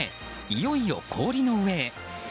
いよいよ氷の上へ。